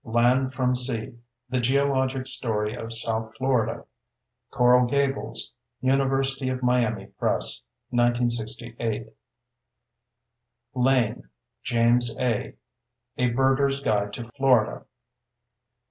Land From Sea: The Geologic Story of South Florida. Coral Gables: University of Miami Press, 1968. Lane, James A. _A Birder's Guide to Florida.